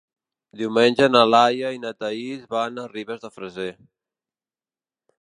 Diumenge na Laia i na Thaís van a Ribes de Freser.